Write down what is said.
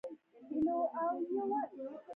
ابن سینا بلخي له دغو شخصیتونو څخه یو دی.